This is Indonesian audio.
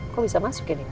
kok bisa masuk ya nino